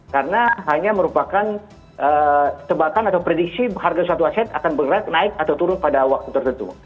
karena hanya merupakan tebakan atau prediksi harga suatu aset akan bergerak naik atau turun pada waktu tertentu